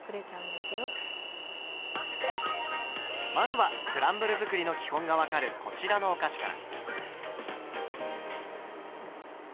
まずはクランブル作りの基本が分かるこちらのお菓子から。